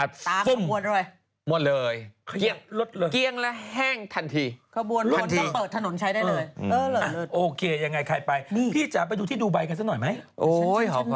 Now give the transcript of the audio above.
เอาหมดเลยนะนิสบัตรเราก็มีเกราะชีวิตบัตรใหญ่มาก